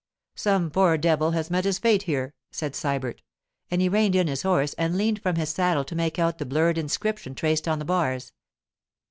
'Some poor devil has met his fate here,' said Sybert, and he reined in his horse and leaned from his saddle to make out the blurred inscription traced on the bars.